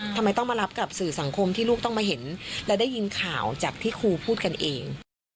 ทำไมต้องมารับกับสื่อสังคมที่ลูกต้องมาเห็นและได้ยินข่าวจากที่ครูพูดกันเอง